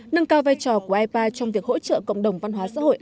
nâng cao vai trò của ipa trong việc hỗ trợ cộng đồng asean hợp tác trách nhiệm